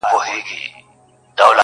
• د هوا نه یې مرګ غواړه قاسم یاره..